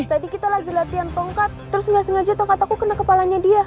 tadi kita lagi latihan tongkat terus gak sengaja tongkat aku kena kepalanya dia